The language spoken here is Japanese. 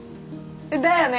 だよね？